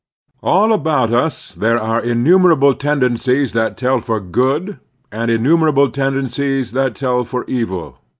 All about us there are inntimerable tendencies that tell for good, and inntimerable tendencies that tell for evil.